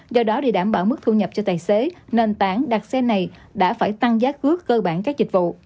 do đó để đảm bảo mức thu nhập cho tài xế nền tảng đặt xe này đã phải tăng giá cước cơ bản các dịch vụ